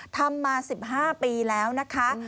ทำมา๑๕ปีแล้วนะคะ